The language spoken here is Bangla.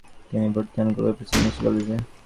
তিনি ভর্তি হন কলকাতা প্রেসিডেন্সি কলেজে।